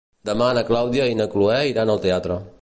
Demà na Clàudia i na Cloè iran al teatre.